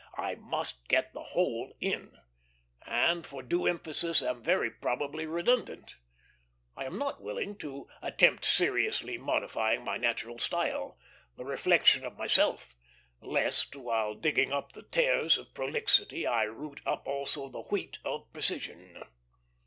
I must get the whole in; and for due emphasis am very probably redundant. I am not willing to attempt seriously modifying my natural style, the reflection of myself, lest, while digging up the tares of prolixity I root up also the wheat of precision.